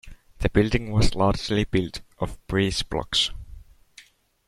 The building was largely built of breezeblocks